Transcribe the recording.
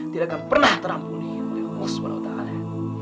tidak akan pernah terampuni oleh musuh allah ta'ala